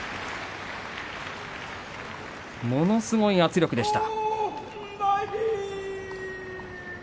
ものすごい圧力でした。